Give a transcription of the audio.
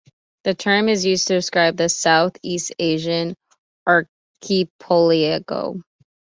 The term is used to describe the Southeast Asian Archipelago.